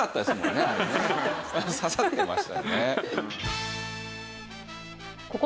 刺さってましたよね。